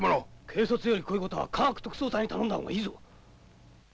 警察よりこういうことは科学特捜隊に頼んだ方がいいぞ。